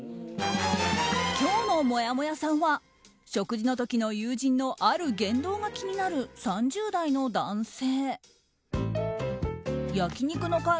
今日のもやもやさんは食事の時の友人のある言動が気になる３０代の男性。